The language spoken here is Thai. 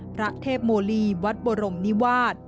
พระเทพโมลีวัดบรมนิวาส